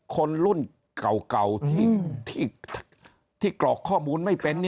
คนรุ่นเก่าที่กรอกข้อมูลไม่เป็น